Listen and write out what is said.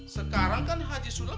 sekarang kan haji sulam